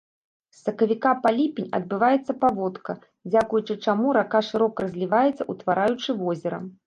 З сакавіка па ліпень адбываецца паводка, дзякуючы чаму рака шырока разліваецца, утвараючы возера.